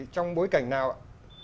trong bối cảnh nào ạ